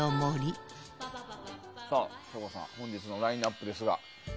省吾さん本日のラインナップですが。